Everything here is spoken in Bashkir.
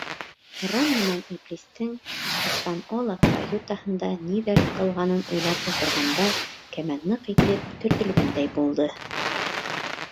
Ром менән иблистең «Испаньола» каютаһында ниҙәр ҡылғанын уйлап ултырғанда кәмә ныҡ итеп төртөлгәндәй булды.